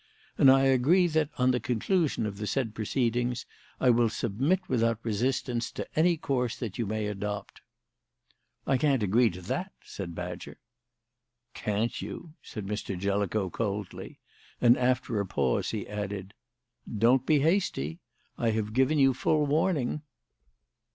And I agree that, on the conclusion of the said proceedings, I will submit without resistance to any course that you may adopt." "I can't agree to that," said Badger. "Can't you?" said Mr. Jellicoe coldly; and, after a pause, he added: "Don't be hasty. I have given you full warning."